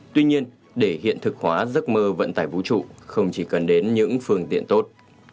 tuy nhiên để hiện thực hóa giấc mơ vận tải vũ trụ không chỉ cần đến những phương tiện tốt